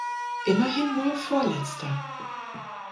Immerhin nur Vorletzter!